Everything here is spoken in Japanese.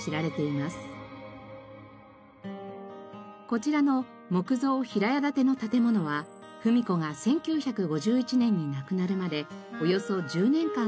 こちらの木造平屋建ての建物は芙美子が１９５１年に亡くなるまでおよそ１０年間過ごした家。